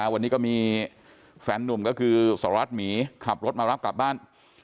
วันนี้ก็มีแฟนนุ่มก็คือสารวัตรหมีขับรถมารับกลับบ้าน